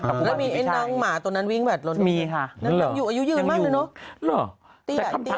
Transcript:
แล้วมีไอ้น้องหมาตัวนั้นวิ่งแบบร่วมอยู่ไหมค่ะมีค่ะยังอยู่มากเลยเนอะตี้ยะ